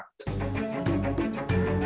mungkin indonesia bisa lebih murah